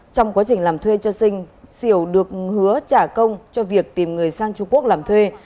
trong quá trình làm thuê cho sinh tiểu được hứa trả công cho việc tìm người sang trung quốc làm thuê